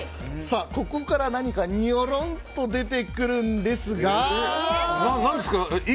ここから何かにょろんと出てくるんですが。